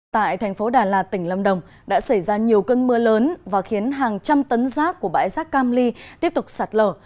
tại thành phố đà lạt tỉnh lâm đồng đã xảy ra nhiều cơn mưa lớn và khiến hàng trăm tấn rác của bãi rác cam ly tiếp tục sạt lở